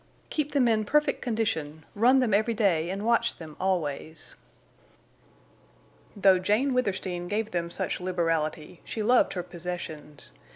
Keep them in perfect condition. Run them every day and watch them always." Though Jane Withersteen gave them such liberality, she loved her possessions.